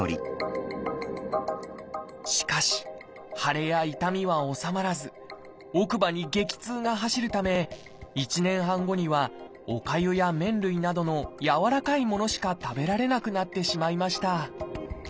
しかし腫れや痛みは治まらず奥歯に激痛が走るため１年半後にはおかゆや麺類などのやわらかいものしか食べられなくなってしまいました